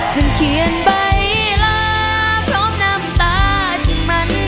เขียนใบลาพร้อมน้ำตาจึงมัน